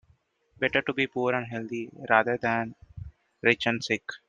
Better to be poor and healthy rather than rich and sick.